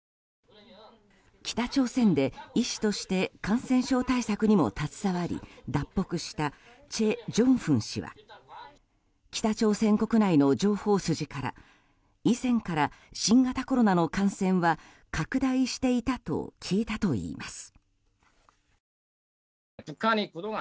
北朝鮮で医師として感染症対策にも携わり脱北したチェ・ジョンフン氏は北朝鮮国内の情報筋から以前から、新型コロナの感染は拡大していたと聞いたといいます。